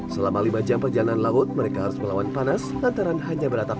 selama lima jam perjalanan laut mereka harus melawan panas lantaran hanya beratap